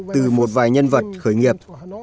từ một vài nhân vật khởi nghiệp